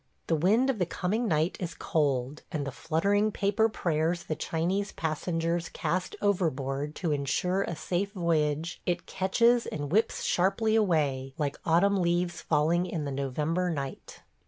The wind of the coming night is cold, and the fluttering paper prayers the Chinese passengers cast overboard to insure a safe voyage it catches and whips sharply away, like autumn leaves falling in the November night.